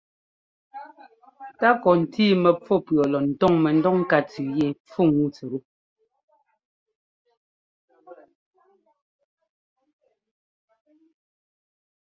Takɔ ntíi mɛfú pʉɔ lɔ ńtɔ́ŋ mɛdɔŋ ŋká tsʉʉ yɛ pfúŋu tsɛttu.